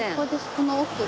この奥。